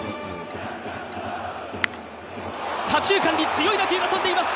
左中間に強い打球が飛んでいます。